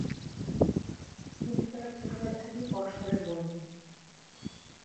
কিন্ত তারা ছোটবেলা থেকেই পরস্পরের বন্ধু।